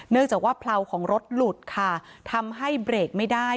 จากว่าเผลาของรถหลุดค่ะทำให้เบรกไม่ได้